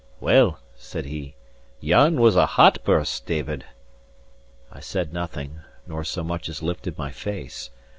"Well," said he, "yon was a hot burst, David." I said nothing, nor so much as lifted my face.